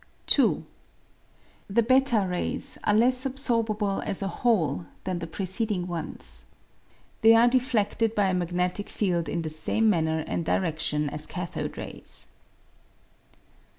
II. The A^ rays are less absorbable as a whole than the preceding ones. They are defledted by a magnetic field in the same manner and diredtion as cathode rays.